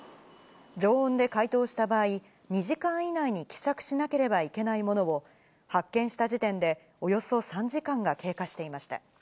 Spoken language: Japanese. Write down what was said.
常温で解凍した場合、２時間以内に希釈しなければいけないものを、発見した時点で、およそ３時間が経過していました。